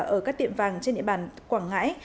ở các tiệm vàng trên địa bàn quảng ngãi